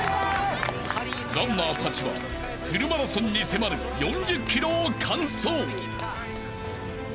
［ランナーたちはフルマラソンに迫る４０ｋｍを完走］